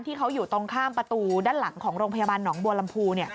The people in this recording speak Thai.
ที่เขาอยู่ตรงข้ามประตูด้านหลังของโรงพยาบาลหนองบัวลำพู